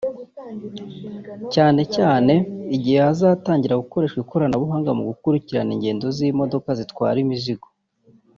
cyane cyane igihe hazatangira gukoreshwa ikoranabuhanga mu gukurikirana ingendo z’imodoka zitwara imizigo